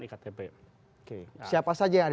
iktp siapa saja yang ada